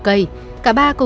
cả ba cùng cầm dao tiền